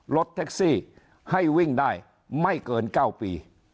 รถแท็กซี่ให้วิ่งได้ไม่เกิน๙ปี